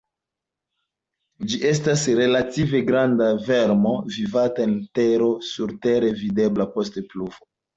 Ĝi estas relative granda vermo vivanta en tero, surtere videbla post pluvo.